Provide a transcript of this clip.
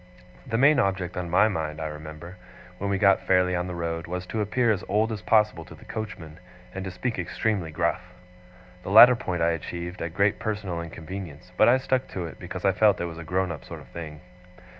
The main object on my mind, I remember, when we got fairly on the road, was to appear as old as possible to the coachman, and to speak extremely gruff. The latter point I achieved at great personal inconvenience; but I stuck to it, because I felt it was a grown up sort of thing.